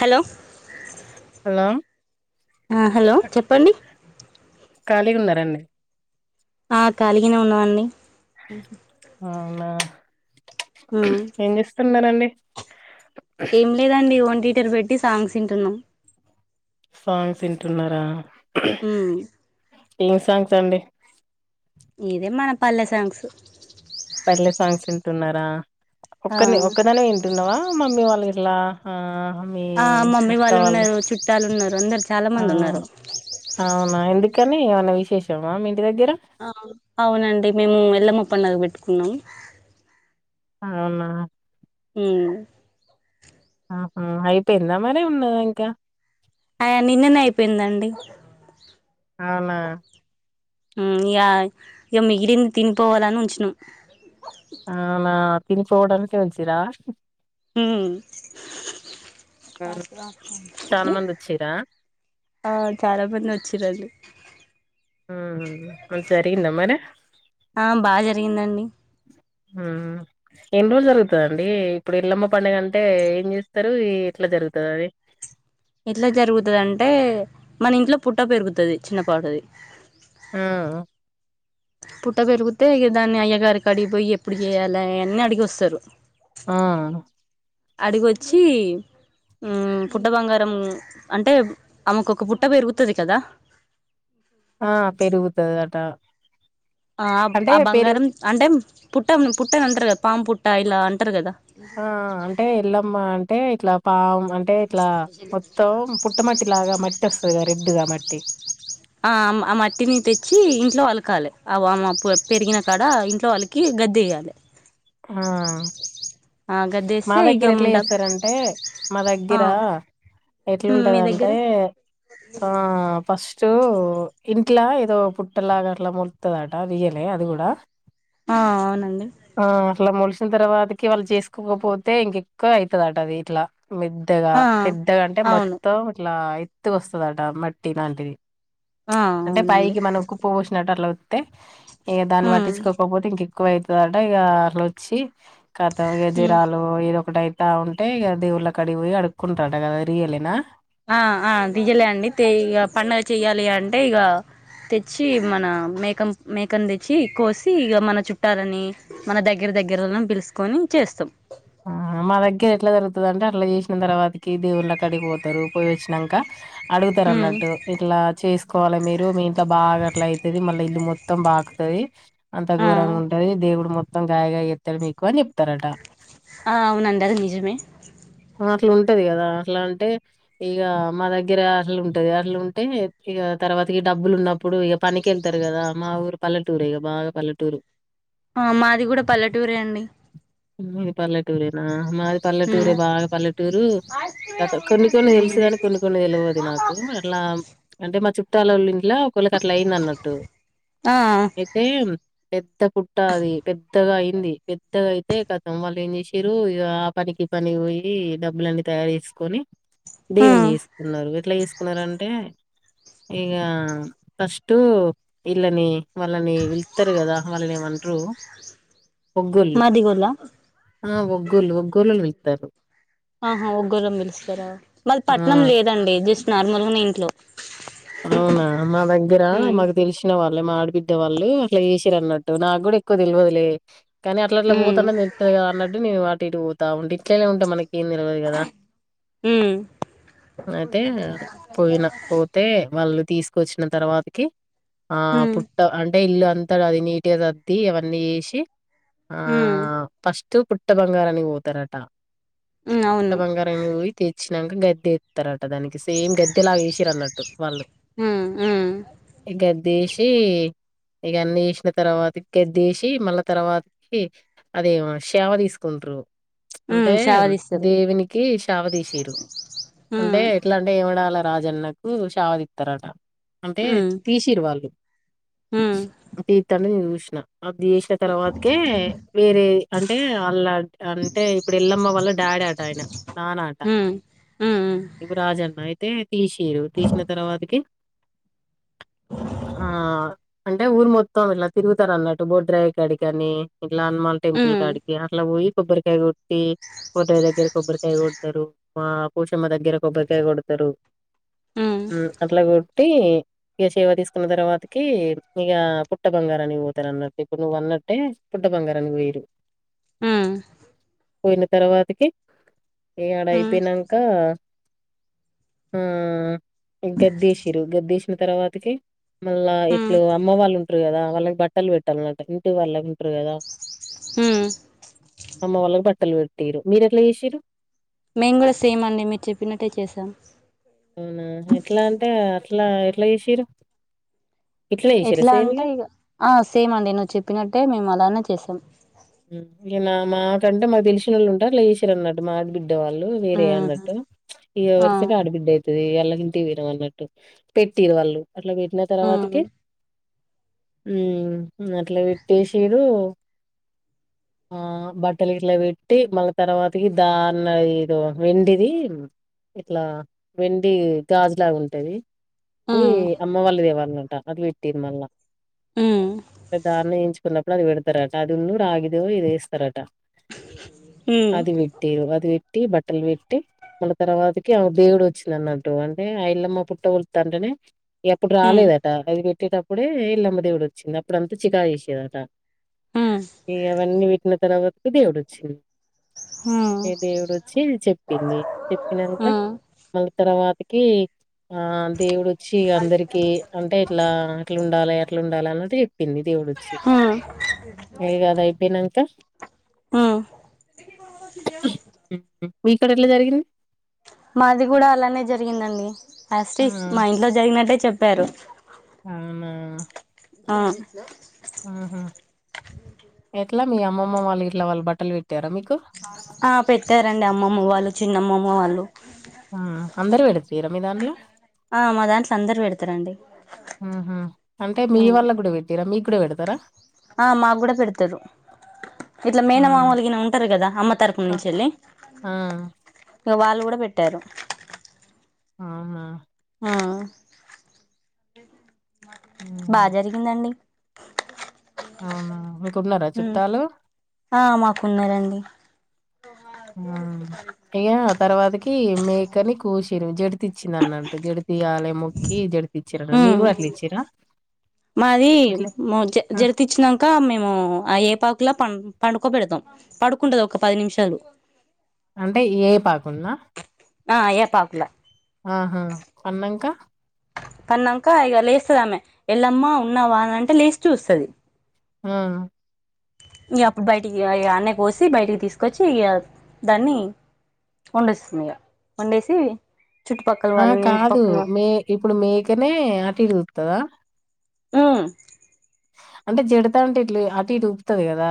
Hello hello ఆ hello చెప్పండి ఖాళీగా ఉన్నారండి ఆ కాలిగనే ఉన్నావండి అవున ఉమ్ ఉన్నారండి ఏం లేదండి ఒన్ టీ తెరు పెట్టి సాంగ్స్ ఇంటున్నాం సాంగ్స్ ఇంటున్నారా ఉమ్ ఏం సాంగ్స్ అండి ఇదే మన పల్లె సాంగ్స్ తిన్నారా ఆ ఒక్క నే ఒక్కదానివే ఇంటున్నావా మమ్మీ వాళ్ ఇట్లా ఆ మీ ఆ మమ్మీ వాళ్ళు ఉన్నరు చుట్టాలు ఉన్నరు ఆ అవునా ఎందుక్ కానీ ఏమన్నా విశేషమా మీక్ అవునండి మేము వెళ్ళ ము పండగ వెట్టుకున్నాం అవునా ఉమ్ ఆహా అయిపోయిందామరీ ఉన్నదా ఇంకా ఆయ నిన్ననే అయిపోయిందండి అవునా ఉమ్ ఇగా ఇగ మిగిలింది తినిపోవాలని ఉంచినం తిని పోవడానికే వచ్చిరా ఉమ్ ఉమ్, చాలా మంది వచ్చిరా ఆ చాలా మంది వచ్చి రండి ఉ ఉ జరిగిందా మరి ఆ బాగా జరిగిందండి ఉ ఎన్ని రోజ్లు జరుగుతుదండి ఇప్పుడు ఎల్లమ్మ పండగ అంటే ఏం చేస్తరు ఎట్ల జరుగుతది అది ఎట్లా జరుగుతదంటె మన ఇంట్లో పుట్ట పెరుగుతది చిన్నపాటిది ఆ పుట్ట పెరుగుతే దాన్ని అయ్యగారికాడిగిపోయి ఎప్పుడు చేయాల అన్ని అడిగి వస్తారు ఆ అడిగొచ్చి ఊ పుట్ట బంగారం అంటే ఆమెకు ఒక పుట్ట పెరుగుతది కదా ఆ పెరుగుతది అట ఆ ఆ బంగారం అంటే పుట్టంను పుట్ట అంటారు కదా పాము పుట్ట ఇలా అంటారు కదా ఆ అంటే ఎల్లమ్మ అంటే ఇట్లా పామ్ అంటే ఇట్లా మొత్తం పుట్టమట్టిలాగా మ వస్తది కదా రెడ్ గా మట్టి ఆ ఆ మట్టిని తెచ్చి ఇంట్లో అల కాలే అ వా పు పెరిగిన కాడ ఇంట్లో అలికి గద్దెయ్యాలి ఆ మా గద్దేస్తే ఇగ దగ్గర ఎట్లా డబ్ చేస్తారంటే మా ఆ దగ్గర ఎట్లా మీ దగ్గర ఉంటందంటే ఆ ఫస్ట్ ఇ ఇట్లా ఏదో పుట్టలాగా అట్లా మొలుత్తదట రియల్ ఎ అది కూడా ఆ అవునండి ఆ అట్లా మొలిశిన తర్వాతకి వాళ్ళు చేసుకోకపోతే ఇంకెక్కువ అవుతదట అది ఇట్లా మెద్దగా ఆ పెద్దగా అంటే అవును మొత్తం ఇట్లా త్తుగా వస్తదాట మట్టి నాంటిది ఆ అంటే అవునండి పైకి మనం కుప్ప పోసినట్టు అట్ల త్తే ఏగ దాన్ని ఉమ్ పట్టిచుకోకపోతే ఇంకె ఎ క్కువైత అంటగలోచ్చి కతం ఇగ ఉమ్ జరాలో ఏదో క్కడైత ఉంటే ఇగ దేవుళ్ళ కాడికి పోయి అడుక్కుంటారట కదా అది రియలేనా ఆ ఆ డియలే అండి తే ఇగ పండగ చెయ్యాలి అంటే ఇగా తెచ్చి మన మేకం మేకన్ దెచ్చి కోసి ఇగ మన చుట్టాలని మన దగ్గర దగ్గరోళ్లను పిలుసుకొని చేస్తాం ఆ మా దగ్గర ఎట్లా జరుగుతది అంటే అట్లా చేసిన తర్వాతకి దేవుళ్ళకడిగిపోతారు పోయి వచ్చినంక అడుగుతారు ఉమ్ అన్నట్టు ఇట్లా చేసి కోవాలే మీరు మీ ఇంట్ల బాగా అట్ల అయితది మళ్ళా ఇల్లు మొత్తం బాకుతది అంత ఆ ఘోరంగా ఉంటుంది దేవుడు మొ మొత్తం గాయి గాయి ఎత్తడు మీకు అని చెప్తారట అ అవునండి అది నిజమే అట్లు ఉంటది కదా అట్లా అంటే ఇగ మా దగ్గర అట్ల ఉంటది అట్లుంటే ఇగ తర్వాతకి డబ్బులు ఉన్నప్పు ఇప్పుడు ఇగ పనికెళ్తారు కదా మా ఊరు పల్లటూరే ఇగ బాగా పల్లెటూరు అ మాది కూడా పల్లెటూరే అండి మీది పల్లెటురేనా మాది ఉమ్ పల్లెటూరే బాగా పల్లెటూరు గ కొన్ని కొన్ని తెలుసు ఉమ్ కాని కొన్ని కొన్ని తెలివదు నాకు అట్లా అంటే మా చు తలలి ఇట్లా ఒకళకి అట్లా అయిందన్నట్టు ఆ ఎత్తేమ్ పెద్ద పుట్ట అది పెద్దగా అయి ఉంది పెద్దగా అయ్ తే కతం వాళ్ళు ఏమ్ చేసిరు ఆ పనికి పని పోయి డబ్బులన్నీ తయారు చేసుకొని ఆ దేవున్ని చేసుకున్నారు ఎట్లా చేస్ కున్నారంటే ఇక ఫస్ట్ వీళ్ళని వాళ్ళని వెళ్తారు కదా వాళ్ళని ఏమంట్రూ ఒంగోళ్లు మాదిగోళ్ళ ఆ వొగోళ్లు ఒగ్గోలుల్ ఆహా వోగ్గోలని పిలుస్తారా మాది పట్నం ఆ లేదండి జెస్ నార్మల్నే ఇంట్లో అవునా మా దగ్గిర ఉమ్ మాకు తెలిసిన వాళ్ మా ఆడబిడ్డ వాళ్ళు అట్లా చేసింరాన్నట్లు అన్నట్టు నాకు కూడా ఎక్కువ తెల్వదులే. కానీ అట్లా అట్లా ఉమ్ పోతనని నిలత్తది కదా అన్నటు నేను వ తిటు పోతా ఉంటి తేలా ఉంటా మనకి ఏం తెలవదు కదా ఉమ్ ఐతే పోయినా పో వాళ్ళు తీసుకొచ్చిన తర్వాతకి ఆ ఉమ్ పుట్ట అంటే ఇల్లా అంతాగా అది నీట్ గా సద్ది అవన్నీ యేసి ఆ ఉమ్ ఫస్ట్ తూ పుట్ట బంగారానికి పోతారట ఉమ్ ట్ట అవును బంగారంగా పోయి తేచ్ నంకు గద్దె యేత్తరట దానికి సేమ్ గద్దెలాగేసి వాళ్ళు ఉమ్ ఉమ్ ఇంకేన్ ద్దేసి ఇక అన్ని చేసిన తర్వాత గద్దేసి మళ్ళా తర్వాతకి అదేవ సేవ తీసుకుంటురు. ఉమ్ అంటే సేవ తీస్తారు దేవునికి శావదీసిరు అంటే ఉమ్ ఎట్లా అంటే ఏమడాల రాజన్నక్ ఊ ఉషది ఇతారట అంటే ఉమ్ తీసిరు వాళ్ళు ఉమ్ పీతనే వి క్షణ అది యేసిన తర్వాతకే వేరే అంటే అల్లా అంటే ఇప్పుడు ఎల్లమ్మ వాళ్ళ డాడీ ఆట ఆయన నానాట ఉమ్ ఉమ్ ఇప్పుడు రాజన్న అయితే తీశీరు తీసిన తర్వాతకి ఆ అంటే ఊరు మొత్తం ఇట్లా తిరుగుతారు అన్నట్టు బోడ్ డ్రైవ్ కాడకి కాని ఇ లా హనుమాన్ ఉమ్ టెపుల్ క ఉమ్ అడికి అలా పోయి కొబ్బరికాయ కొట్టి కూర్రయ దగ్గర కొబ్బరికాయ కొడతారు మా కూసమ దగ్గర కొబ్బరికాయ కొడతారు అట్లా కొట్టి ఇక సేవ తీసుకున్న తర్వాతకి ఇక పుట్ట బంగారానికి పోతారు అన్నట్టు ఇప్పుడు నువ్వు అన్నట్టే పుట్ట బంగారానికి పోయరు ఉమ్ పోయిన తర్వాతికి ఏ ఆడ ఉమ్ అయిపోయినాక హ ఇజ్జత్ తీసిర్రు గద్దిష్ విన తర్వాతకి మళ్ళా ఉమ్ ఇట్లు ఉమ్ అమ్మ వాళ్ళు ఉంటారు కదా వాళ్ళకి బట్టలు పెట్టాలన్నమాట ఇంటి వాళ్ళకి ఉంటారు కదా హమ్ అమ్మ వాళ్ళకి బట్టలు పెట్టారు మీరు ఎట్లా చేసారు మేము కూడా సేమ్ అండి మీరు చెప్పినట్టే చేసాం అవునా ఎట్లా అంటే అ ఏట్లా ఎట్లా చేసరా ఎట్లా అంటే ఇక ఆ సేమ్ అండి నువ్వు చెప్పినట్టే మేము అలానే చేస్తాం సం మాకంటే మాకు తెలిసిన వాళ్ళు ఉంటే అట్లా చేసిళ్ళు వున్నట్టు మా వాళ్ళు వేరే ఉహు అన్నట్టు ఈ ఆ వరుసగా ఆడబిడ్డ అయ అళ్ళకింటి పోయినం అన్నట్టు పెట్టిరు వాళ్ళు అట్లా పెట్టిన ఉమ్ తర్వాతకి హమ్ అట్ల పెట్టేషేరు ఆ బట్టలు ఇట్లా పెట్టి మగ తర్వాతకి దాన్న ఇదో వెండిది ఇట్లా వెండి గాజులాగా ఉంటది అది ఉమ్ అమ్మ వాళ్ళదివాల అది పెట్టి మళ్ళా ఉమ్ దాన్ని ఎంచుకున్న పెడుతారట ఇన్న రాగిదొ ఏదో ఏస్తారట ఉమ్ అది విట్టేరు అది విట్ పెట్టి బట్టలు పెట్టి మళ్ళీ తర్వాతకి దేవుడు వచ్చింది అన్నట్టు అంటే ఆ ఇల్లమ్మ పుట్టవుళ తంట్రినే ఎప్పుడు ఉమ్ ఉమ్ రాలేదట అది పెట్టేటప్పుడే ఇల్లమ్మ దేవుడు వచ్చింది అప్పుడు అంతా చికాకు చేసేదట ఈ అవన్నీ పెట్టిన తరువాతికి కి దేవుడ్ వచ్చిండు ఉమ్ ఏ దేవుడు వచ్చి చెప్ పినీ చెప్పినక్కా ఉమ్ మళ్ తర్వాతకి ఆ దేవుడుొచ్చి అందరికి అంటే ఎట్లా ఎట్లా ఉండాలి ఎట్లా ఉండాలి అన్నది చెప్పింది దేవుడుొచ్చి. ఉమ్ అది కాదు అయిపోయినాక ఉమ్ ఇక్కడ ఎట్లా జరిగింది మాది కూడా అలానే జరిగిందండి ఆ ఆస్లీ మా ఇంట్లో జరిగినట్టే చెప్ చెప్పారు అవునా ఆ ఉహ ఎట్లా మీ అమ్మమ్మ వాళ్ళు ఇట్లా వాళ్ళు బట్టలు పెట్టారా మీకు. ఆ పెట్టారండి అమ్మమ్మ వాళ్ళు చిన్నమ్మమ్మ వాళ్ళు అందరు పెడుతు ర మీదాన్లో ఆ మా దాంట్లో అందరు పెడతారండి ఆహా అంటే మీ వాల్ళ కూడా పెట్టరా మీకు కూడా పెడతారా ఆ మాకు కూడా పెడతారు ఇట్లా ఆ మేన మామూలు గిన ఉంటారు కదా అమ్మ తరపు ఆ నుంచి వెళ్ళి. ఆ, ఇంక వాళ్ళు కూడా పెట్టారు అవునా ఆ ఉమ్, బాగా జరిగిందండి అ అవునా మీకున్నారా చుట్టాలు ఆ మాకున్నారండి అ తర్వాత మేకని కూస జడిత ఇచ్చింది అన్నట్టు జడితి ఆలయం మొక్కి జడి మాది ఎట్లా జ ఆ, జరితచ్చినాక మేము ఆ ఏపాకులా పం. పండుకో పెడతాం పడుకుంటది ఒక పది నిమిషాలు. అంటే ఏ పాకుంన్నా ఏ పాకులే ఆహా పన్నాంకా పన్నాంక ఇక లేస్తుద ఆమె ఎళ్ళమ్మా ఉన్నావాని అంటే లేచూ చుస్తుది. ఆ ఇక అప్పుడు బయటికి అన్న కోసి బయటికి తీసుకొచ్చి ఇక దాన్ని వండేస్తుంది ఇక వండేసి. చుట్టుపక్కల ఆ వాళ్ళని ఇంటి కాదు పక్కన మే ఇప్పుడు మేకనే అటుగుతుందా ఉమ్ అంటే జడత అంటే ఇ అటు ఇటు ఊపుతుంది కదా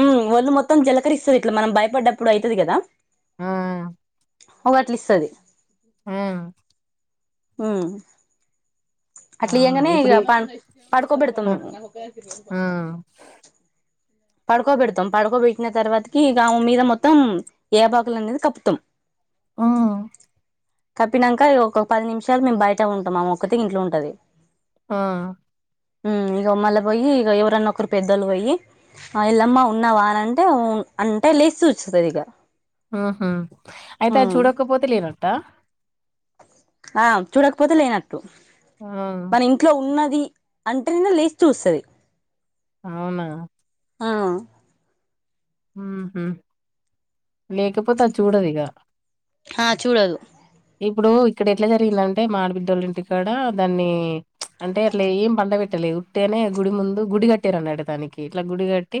ఉ ఒళ్ళు మొత్తం జీలకరిస్తుది ఇట్లా మనం భయపడ్డప్పుడు అవుతుది కదా. ఆ ఒకటిలి ఇస్తది ఆ ఆ అట్లా అవునా! ఇంగానే ఇ ఇప్పుడు ఇది పడుకోబెడతాం ఆ! మేము ఆ! పడుకోబెడతాం పడుకోబెట్టిన తర్వాతకి గవు మీద మొత్తం ఏబాకులు అనేది కపుతాం. ఆ తప్పినాక ఒక పది నిమిషాలు మేము బయట ఉంటాం ఒక్కటి ఇంట్లో ఉంటది. ఆ మ్మ్ ఇగొమల్ల పోయి ఇగ ఎవరన్న ఒక్కరు పెద్దలు పోయి ఆ ఎల్లమ్మ ఉన్నావా అనంటే ఉ అంటే లేసి చూచ్స్తదిగా హు హు అయితే అది చూడకపోతే లేన త్త ఆ చూడకపో లేన టు ఆ! మన ఇంట్లో ఉన్నది అంటే నిన్న లేచి చూస్తది అవునా ఆవు ఉహూ లేేకపోతే అది చూడదిగా హ చూడదు ఇప్పుడు ఇక్కడ ఎట్లా జరిగిందంటే. మా ఆడబిడ్డొల్లింటికాడ, దాన్ని అంటే అట్లా ఏం పండపెట్టలేదు, ఉట్టేనే గుడి ముందు గుడి కట్టారండి. అడ దానికి ఇట్లా గుడి గట్టి,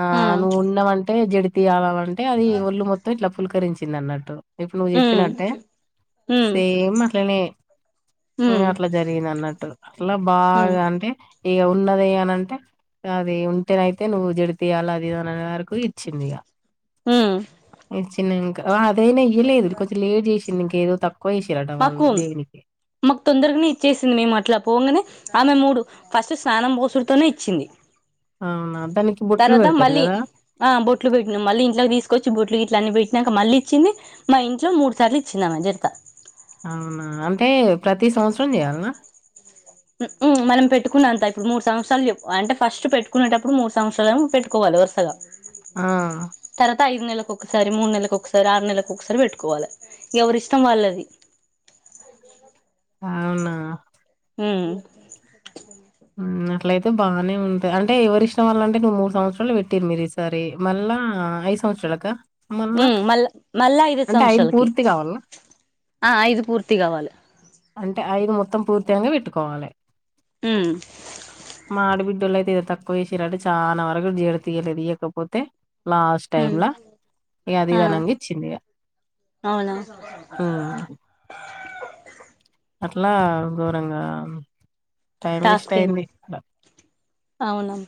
ఆ ఉమ్ నువ్వు ఉన్నావంటే జడి తీయాలవడ్ అంటే అది ఈ ఒళ్ళు మొత్తం ఇట్లా పులకరించి తిననట్టు ఇప్పుడు నువ్వు ఉమ్ చెప్పినట్టే ఉమ్ సేమ్ అట్లనే ఇగ ఉమ్ అట్లా జరిగిందన్నట్లు [unintelligible] అట్లా ఉమ్ బాగా అంటే ఇగ ఉన్నది అనంటే అది ఉంటేనైతే నువ్వు జరిపియ్యాల అది ఇది అం అమ్మవారుకు ఇచ్చింది ఇగ ఉమ్ ఇచ్చిందిం [unintelligible] అదైనా ఇయ్యలేదు దు కొంచెం లేట్ చేసి [unintelligible] కేదో తప్ మాకు మాకు తొందరగానే ఇచ్చేసింది మేము అట్లా పొంగనే ఆమె మూడు ఫస్ట్ స్నానం బోసుడుతోనే ఇచ్చింది అవునా దానికి బొట్లు తర్వాత పెడతారు మళ్ళీ కదా ఆ బొట్లు పెట్నం. మళ్ళీ ఇంట్లోకి తీసుకొచ్చి, బొట్లు ఇట్ల అన్నీ బే. ఇందాక మళ్లీ ఇచ్చింది మా ఇంట్లో మూడు సార్లు ఇచ్చిందామే జరిత అవునా అంటే ప్రతి సంవత్సరం చేయాలనా ఉ వు మనం పెట్టుకున్నంత, ఇప్పుడు మూడు సంవత్సరాలు చెప్ అంటే ఫస్ట్ పెట్టుకునేటప్పుడు, మూడు సంవత్సరాలేమో పెట్టుకోవాలి వరుసగా. ఆ త ఐదు నెల్లకు ఒకసారి, మూడు నెల్లకు ఒకసారి, ఆరు నెల్లకు ఒకసారి పెట్టుకోవాల. ఎవరి ఇష్టం వాళ్లది అవునా హు మ్మ్ అట్లయితే బానే ఉంటంది. అంటే ఎవరి ఇష్టం వాళ్లంటే నువ్వు మూడు సంవత్సరాలు, పెట్టిరు మీరు ఈసారి మల్ల ఐదు సంవత్సరాలక. ఉ మల్ మల్ ఇలా ఐదు సంవత్సరాలకి పూర్తి కావాలనా ఆ ఐదు పూర్తి కావాలి అంటే ఐదు మొత్తం పూర్తింగా పెట్టుకోవాలి ఉమ్ మాఆడిబిడ్డలైత్ ఏదో తక్కువ చేసిర్ అంట చాలా వరకు జీడత ఇయలేదు ఇయకపోతే లాస్ట్ ఉమ్ టైమ్లా ఇగ అది ఆ ఇది అనంగ ఇచ్చింది ఇగ అవునా ఉ అట్లా ఘోరంగా టైం వేస్ట్ టస్కింగ్ అయింది అక్కడ అవునం